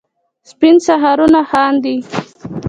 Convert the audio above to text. سپین سهارونه خاندي